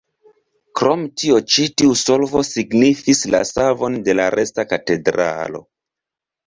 Krom tio ĉi tiu solvo signifis la savon de la resta katedralo.